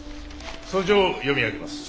訴状を読み上げます。